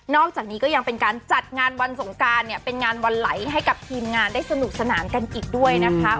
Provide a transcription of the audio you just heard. อกจากนี้ก็ยังเป็นการจัดงานวันสงการเนี่ยเป็นงานวันไหลให้กับทีมงานได้สนุกสนานกันอีกด้วยนะคะ